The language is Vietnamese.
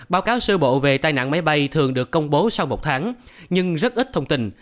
báo cáo sơ bộ về tai nạn máy bay thường được công bố sau một tháng nhưng rất ít thông tin